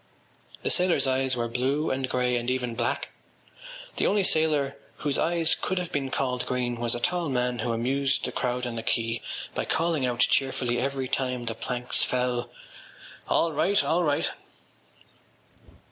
The sailors’ eyes were blue and grey and even black. The only sailor whose eyes could have been called green was a tall man who amused the crowd on the quay by calling out cheerfully every time the planks fell: “All right! All right!